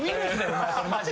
お前それマジ。